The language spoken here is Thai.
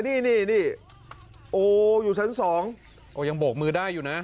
นี่โอ้อยู่ชั้น๒โอ้ยังโบกมือได้อยู่นะ